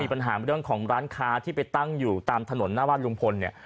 ปัญหาเรื่องของร้านค้าที่ไปตั้งอยู่ตามถนนหน้าบ้านลุงพลเนี่ย